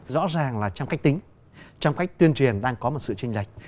rõ ràng là trong cách tính trong cách tuyên truyền đang có một sự tranh lệch